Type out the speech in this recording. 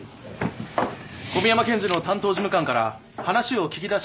小宮山検事の担当事務官から話を聞き出しましたよ。